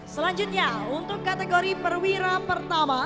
selanjutnya untuk kategori perwira pertama